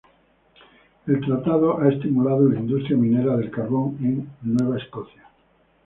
El tratado ha estimulado la industria minera del carbón en el Nueva Escocia.